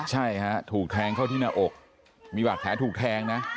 ใช่ฮะถูกแทงเข้าที่หน้าอกมีบาดแผลถูกแทงนะ